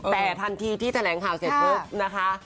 แต่ทันทีที่แถลงข่าวเสร็จปุ๊บนะคะ